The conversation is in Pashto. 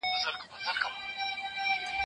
نوي رامنځته سوي دندي به د غريبو خلګو ژوند ښه کړي.